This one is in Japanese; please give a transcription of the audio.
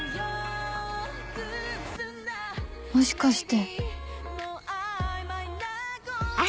もしかして